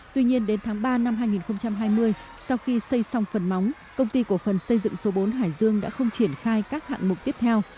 tuy nhiên đến tháng ba năm hai nghìn hai mươi sau khi xây xong phần móng công ty cổ phần xây dựng số bốn hải dương đã không triển khai các hạng mục tiếp theo